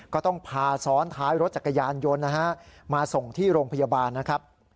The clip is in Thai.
ก็ต้องพาซ้อนท้ายรถจักรยานยนต์นะฮะมาส่งที่โรงพยาบาลนะครับ